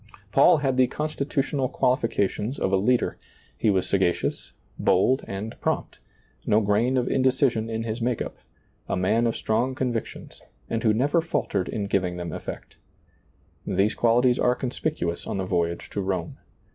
Paul had the constitutional qualifications of a leader; he was sagacious, bold, and prompt, no grain of indecision in his make up ; a man of strong convic tions, and who never faltered in giving them effect. These qualities are conspicuous on the voyage to Rome.